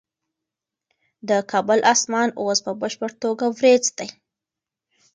د کابل اسمان اوس په بشپړه توګه وریځ دی.